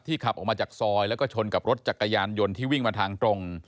ขับออกมาจากซอยแล้วก็ชนกับรถจักรยานยนต์ที่วิ่งมาทางตรง